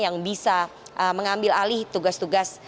yang bisa mengambil alih tugas tugas